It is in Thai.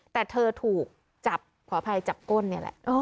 แต่เธอถูกจับขออภัยจับก้นนี่แหละ